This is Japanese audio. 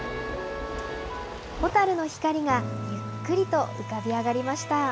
蛍の光がゆっくりと浮かび上がりました。